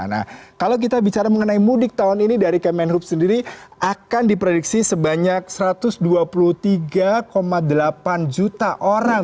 nah kalau kita bicara mengenai mudik tahun ini dari kemenhub sendiri akan diprediksi sebanyak satu ratus dua puluh tiga delapan juta orang